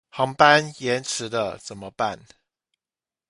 航班延遲了怎麼辦